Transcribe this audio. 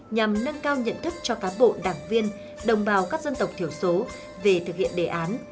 nhằm nâng cao nhận thức cho cán bộ đảng viên đồng bào các dân tộc thiểu số về thực hiện đề án